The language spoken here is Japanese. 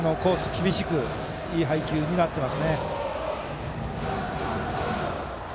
厳しくいい配球になっていますね。